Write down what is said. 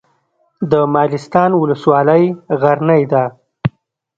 د مالستان ولسوالۍ غرنۍ ده